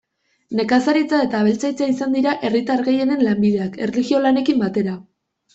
Nekazaritza eta abeltzaintza izan dira herritar gehienen lanbideak, erlijio-lanekin batera.